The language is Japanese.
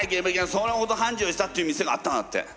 それほどはんじょうしたっていう店があったんだって。